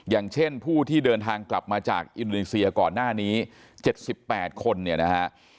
อย่างเช่นผู้ที่เดินทางกลับมาจากอินโดนีเซียก่อนหน้านี้๗๘คนเนี่ยนะฮะ